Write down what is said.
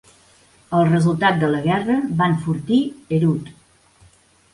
El resultat de la guerra va enfortir Herut.